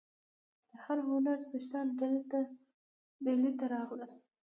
د هر هنر څښتنان ډهلي ته راغلل.